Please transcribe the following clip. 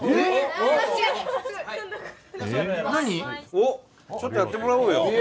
おちょっとやってもらおうよ。